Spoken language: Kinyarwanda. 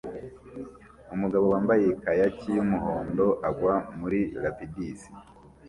Umugabo wambaye kayaki yumuhondo agwa muri rapids